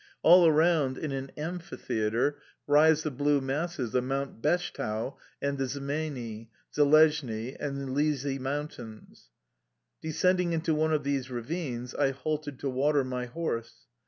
All around, in an amphitheatre, rise the blue masses of Mount Beshtau and the Zmeiny, Zhelezny and Lysy Mountains. Descending into one of those ravines, I halted to water my horse.